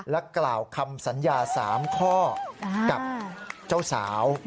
และกล่าวคำสัญญา๓ข้อกับเจ้าสาว